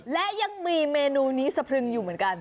และยังมีเมนูนี้สะพรึงอยู่เหมือนกัน